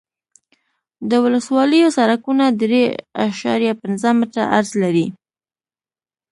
د ولسوالیو سرکونه درې اعشاریه پنځه متره عرض لري